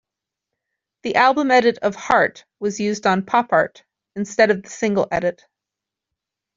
The album edit of "Heart" was used on "PopArt" instead of the single edit.